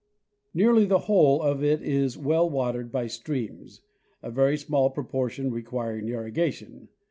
Nearly the whole of it is well watered by streams, a very small propor tion requiring irrigation.